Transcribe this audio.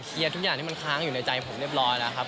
เคลียร์ทุกอย่างที่มันค้างอยู่ในใจผมเรียบร้อยนะครับ